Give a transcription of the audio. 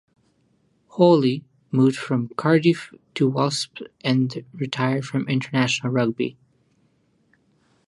Howley moved from Cardiff to Wasps and retired from international rugby.